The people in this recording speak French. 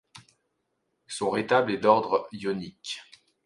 Son retable est d'ordre ionique.